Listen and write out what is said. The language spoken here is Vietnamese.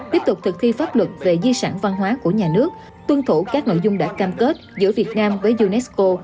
tiếp tục thực thi pháp luật về di sản văn hóa của nhà nước tuân thủ các nội dung đã cam kết giữa việt nam với unesco